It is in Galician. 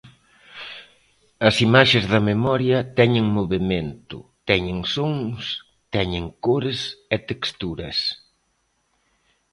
As imaxes da memoria teñen movemento, teñen sons, teñen cores e texturas.